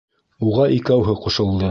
Уға икәүһе ҡушылды.